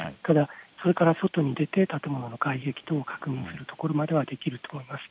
それから外に出て建物の外壁等を確認するところまではできると思います。